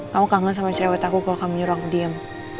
kamu kangen sama cerewet aku kalau kamu nyuruh aku diem